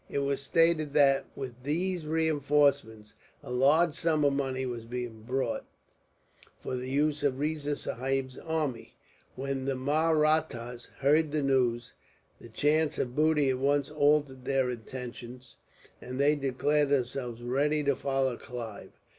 It was stated that, with these reinforcements, a large sum of money was being brought, for the use of Riza Sahib's army. When the Mahrattas heard the news, the chance of booty at once altered their intentions, and they declared themselves ready to follow Clive.